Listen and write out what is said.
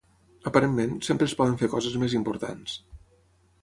Aparentment, sempre es poden fer coses més importants.